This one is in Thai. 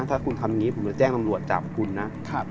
ถ้าคุณทำอย่างนี้ผมจะแจ้งตำรวจจับคุณนะ